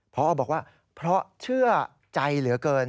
พอบอกว่าเพราะเชื่อใจเหลือเกิน